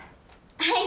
はい！